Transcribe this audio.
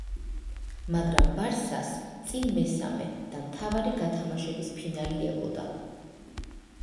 მაგრამ „ბარსას“ წინ მესამე და მთავარი გათამაშების ფინალი ელოდა.